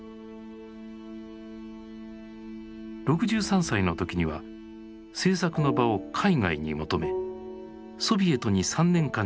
６３歳の時には製作の場を海外に求めソビエトに３年間にわたり滞在。